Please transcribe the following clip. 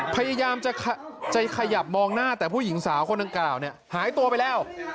พยายามจะใจขยับมองหน้าแต่ผู้หญิงสาวคนดังกล่าวเนี่ยหายตัวไปแล้ว